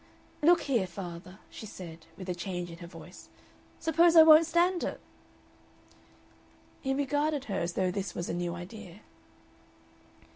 "Look here, father," she said, with a change in her voice, "suppose I won't stand it?" He regarded her as though this was a new idea.